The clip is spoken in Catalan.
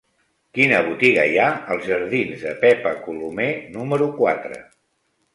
Quina botiga hi ha als jardins de Pepa Colomer número quatre?